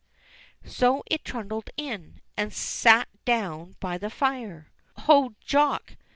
So it trundled in, and sate down by the fire. "Ho, Jock!"